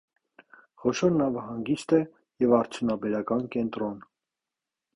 Խոշոր նավահանգիստ է և արդյունաբերական կենտրոն։